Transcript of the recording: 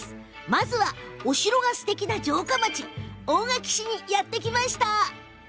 まずは、お城がすてきな城下町大垣市にやって来ました。